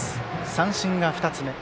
三振が２つ目。